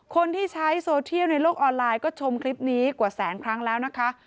คนที่ใช้โซเทียลในโลกออนไลน์ก็ชมคลิปนี้กว่าแสนครั้งแล้วนะคะ